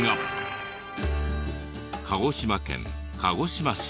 鹿児島県鹿児島市。